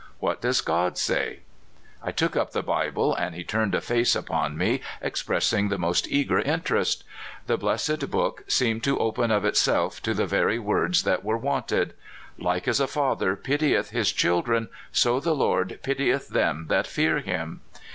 What does God say? " I took up the Bible, and he turned a face upon me expressing the most eager interest. The bless ed book seemd to open of itself to the very words that were wanted. " Like as a father pitieth his children, so the Lord pitieth them that fear him."